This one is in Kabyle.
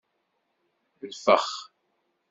Lfex.